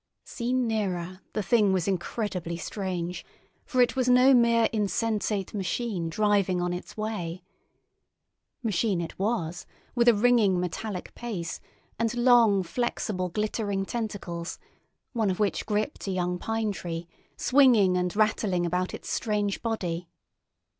Seen nearer, the Thing was incredibly strange, for it was no mere insensate machine driving on its way. Machine it was, with a ringing metallic pace, and long, flexible, glittering tentacles (one of which gripped a young pine tree) swinging and rattling about its strange body.